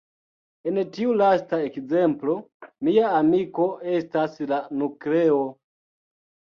En tiu lasta ekzemplo "mia amiko" estas la nukleo.